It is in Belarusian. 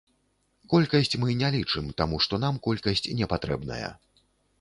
Колькасць мы не лічым, таму што нам колькасць не патрэбная.